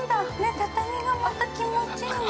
◆畳がまた気持ちいいね。